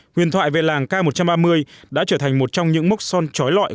huyền thoại về làng k một trăm ba mươi đã trở thành một trong những mốc son trói lọi